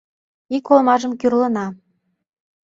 Ик олмажым кӱрлына.